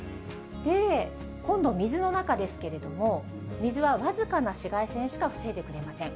今度、水の中ですけれども、水は僅かな紫外線しか防いでくれません。